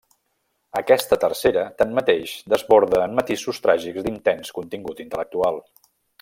Aquesta tercera, tanmateix, desborda en matisos tràgics d'intens contingut intel·lectual.